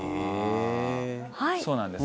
そうなんです。